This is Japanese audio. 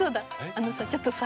あのさちょっとさ